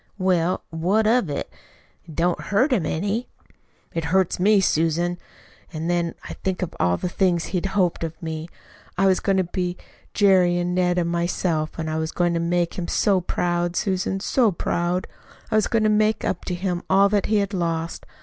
"Well, what of it? It don't hurt him any." "It hurts me, Susan. And when I think of all the things he hoped of me. I was going to be Jerry and Ned and myself; and I was going to make him so proud, Susan, so proud! I was going to make up to him all that he had lost.